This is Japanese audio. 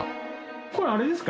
これあれですか？